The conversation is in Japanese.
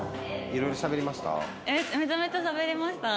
いろいろしゃべりました？